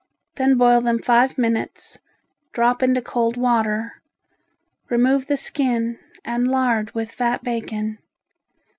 Then boil them five minutes, drop into cold water, remove the skin and lard with fat bacon.